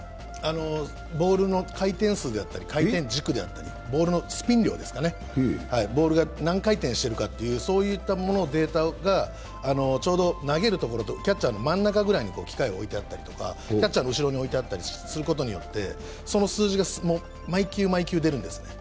ボールの回転数であったり回転軸であったり、ボールのスピン量ですかね、何回転しているかというデータがちょうど投げるところとキャッチャーの真ん中ぐらいに機械を置いてあったりとかキャッチャーの後ろに置いてあったりすることによってその数字が毎球毎球出るんですね。